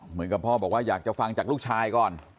เหมือนกับพ่อบอกว่าอยากจะฟังจากลูกชายก่อน